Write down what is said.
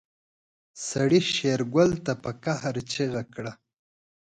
سړي شېرګل ته په قهر چيغه کړه.